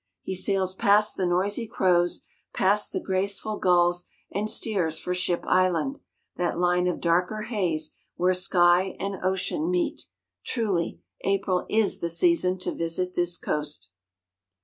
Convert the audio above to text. He sails past the noisy crows, past the graceful gulls and steers for Ship Island, that line of darker haze where sky and ocean meet. Truly, April is the season to visit this coast.